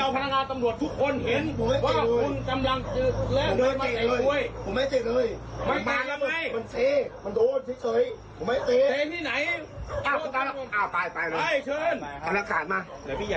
เอาลักษัตริย์มาเดี๋ยวพี่อยากดูนะ